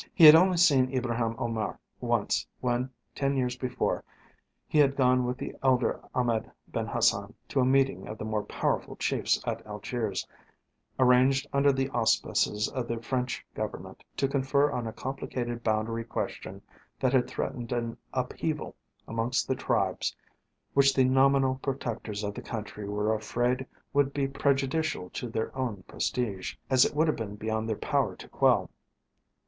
He had only seen Ibraheim Omair once when, ten years before, he had gone with the elder Ahmed Ben Hassan to a meeting of the more powerful chiefs at Algiers, arranged under the auspices of the French Government, to confer on a complicated boundary question that had threatened an upheaval amongst the tribes which the nominal protectors of the country were afraid would be prejudicial to their own prestige, as it would have been beyond their power to quell.